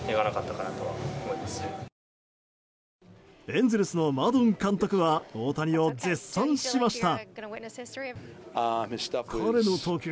エンゼルスのマドン監督は大谷を絶賛しました。